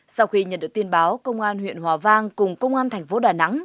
sau khi nhận được tin báo công an huyện hòa vang cùng công an thành phố đà nẵng